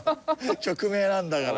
曲名なんだから。